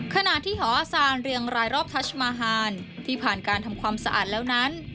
ขณะที่หออาซานเรียงรายรอบทัชมาฮานที่ผ่านการทำความสะอาดแล้วนั้น